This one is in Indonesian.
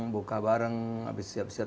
buka bareng habis siap siap